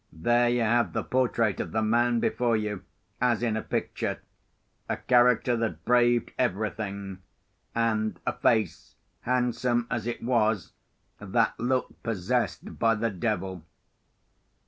There you have the portrait of the man before you, as in a picture: a character that braved everything; and a face, handsome as it was, that looked possessed by the devil.